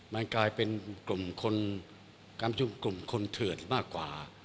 มันกลายเป็นกลุ่มคนการชุมกลุ่มคนเถื่อนมากกว่า